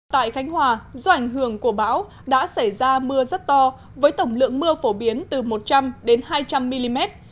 tại khánh hòa do ảnh hưởng của bão đã xảy ra mưa rất to với tổng lượng mưa phổ biến từ một trăm linh đến hai trăm linh mm